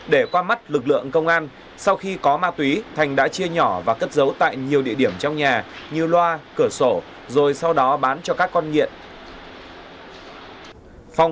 để qua mắt lực lượng công an sau khi có ma túy thành đã chia nhỏ và cất giấu tại nhiều địa điểm trong nhà như loa cửa sổ rồi sau đó bán cho các con nghiện